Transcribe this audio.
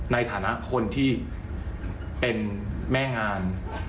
ในฐานะคนที่เป็นแม่งาน